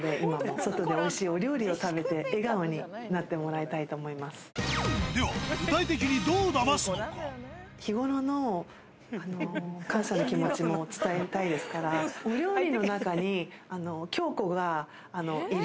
外でおいしいお料理を食べて、笑顔になってもらいたいと思いまでは、日頃の感謝の気持ちも伝えたいですから、お料理の中に京子がいる。